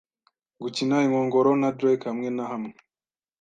gukina inkongoro na drake hamwe na hamwe. ”